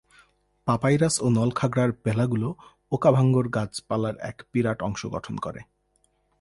Papyrus ও নলখাগড়ার ভেলাগুলো ওকাভাঙ্গোর গাছপালার এক বিরাট অংশ গঠন করে।